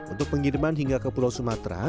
untuk pengiriman hingga ke pulau sumatera